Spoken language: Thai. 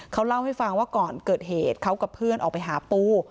เขาเล่าให้ฟังว่าก่อนเกิดเหตุเขากับเพื่อนออกไปหาปู